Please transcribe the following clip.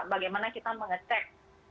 bagaimana kita mengecek